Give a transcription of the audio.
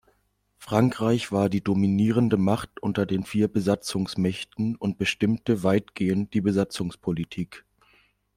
Frankreich war die dominierende Macht unter den vier Besatzungsmächten und bestimmte weitgehend die Besatzungspolitik.